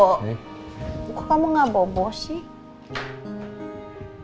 kok kamu gak bobos sih